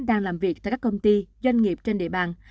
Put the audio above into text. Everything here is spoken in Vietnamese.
đang làm việc tại các công ty doanh nghiệp trên địa bàn